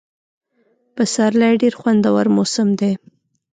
پسرلی ډېر خوندور موسم دی.